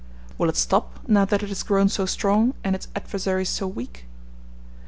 Will it stop now that it has grown so strong and its adversaries so weak?